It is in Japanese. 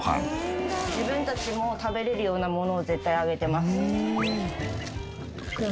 自分たちも食べれるようなものを絶対あげてます。